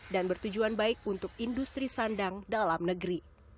dan bertujuan baik untuk industri sandang dalam negeri